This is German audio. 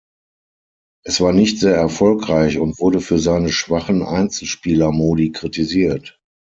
Es war nicht sehr erfolgreich und wurde für seine schwachen Einzelspieler-Modi kritisiert.